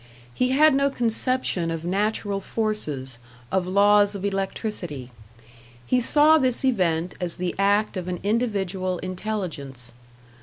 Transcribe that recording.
He had no conception of natural forces, of laws of electricity; he saw this event as the act of an individual intelligence.